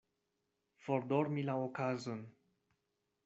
Fordormi la okazon.